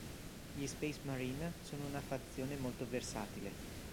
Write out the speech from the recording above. Gli Space Marine sono una fazione molto versatile.